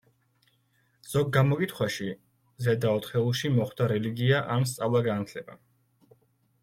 ზოგ გამოკითხვაში ზედა ოთხეულში მოხვდა რელიგია, ან სწავლა-განათლება.